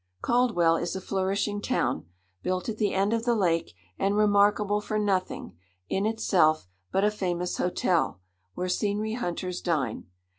Caldwell is a flourishing town, built at the end of the lake, and remarkable for nothing, in itself, but a famous hotel, where scenery hunters dine.